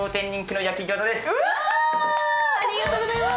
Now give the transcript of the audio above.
・ありがとうございます